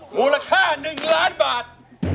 มูลค่าหนึ่งล้านบาท